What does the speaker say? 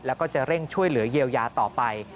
แล้วก็จะเร่งช่วยเหลือเยียวยาต่อไป